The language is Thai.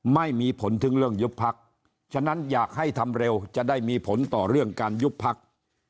ไม่มีผลถึงเรื่องยุบพักฉะนั้นอยากให้ทำเร็วจะได้มีผลต่อเรื่องการยุบพัก